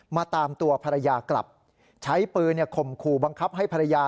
มาตามตัวภรรยากลับใช้ปืนข่มขู่บังคับให้ภรรยา